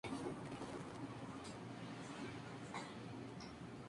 En un episodio, Cruz y Kardashian se dieron unos besos.